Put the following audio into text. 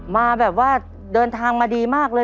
มาแบบว่าเดินทางมาดีมากเลย